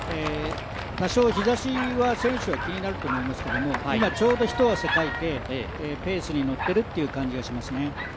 多少日ざしは選手は気になると思いますけど、今ちょうど一汗かいてペースに乗っているという感じがしますね。